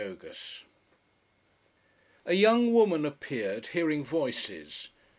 A young woman appeared, hearing voices.